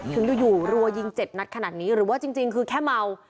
ถึงอยู่รัวยิง๗นัดขนาดนี้หรือว่าจริงคือแค่เมา